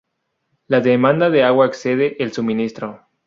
La demanda de agua excede el suministro.